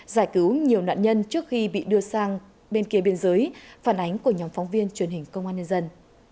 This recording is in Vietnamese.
giải cứu nhiều nạn nhân trước khi bị đưa sang bên kia biên giới phản ánh của nhóm phóng viên truyền hình công an nhân dân